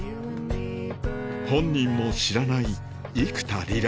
本人も知らない幾田りら